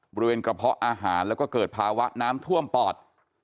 บริเวณกระเพาะอาหารแล้วก็เกิดภาวะน้ำท่วมปอด